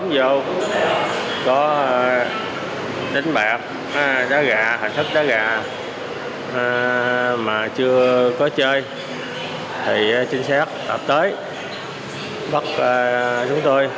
đánh bạc đá gà hành thức đá gà mà chưa có chơi thì chính xác gặp tới bắt chúng tôi